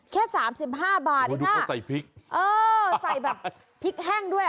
แค่สามสิบห้าบาทนะคะดูเขาใส่พริกเออใส่แบบพริกแห้งด้วย